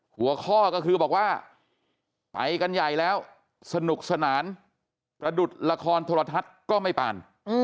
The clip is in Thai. หัวข้อก็คือบอกว่าไปกันใหญ่แล้วสนุกสนานประดุษละครโทรทัศน์ก็ไม่ปาน